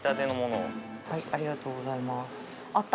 呂ありがとうございます。